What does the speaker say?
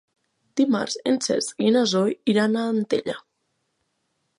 Dimarts en Cesc i na Zoè iran a Antella.